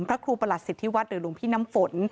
พระครูประหลัดสิทธิวัฒน์หรือหลวงพี่น้ำฝน